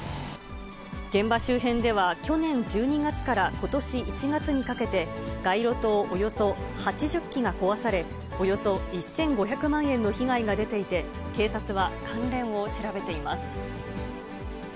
現場周辺では、去年１２月からことし１月にかけて、街路灯およそ８０基が壊され、およそ１５００万円の被害が出ていて、警察は関連を調べています。